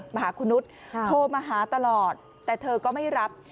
มาหาคุณนุษย์โทรมาหาตลอดแต่เธอก็ไม่รับ